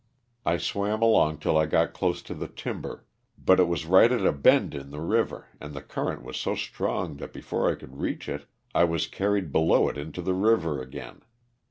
I swam along till I got close to the timber, but it was right at a bend in the river and the current was so strong that before I could reach it I was carried below it into the river again.